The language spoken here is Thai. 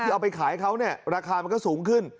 เอาไปขายเขาเนี่ยราคามันก็สูงขึ้น